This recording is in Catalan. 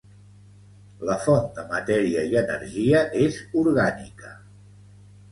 La font de matèria i energia és orgànica.